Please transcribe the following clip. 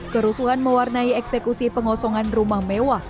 kerusuhan mewarnai eksekusi pengosongan rumah mewah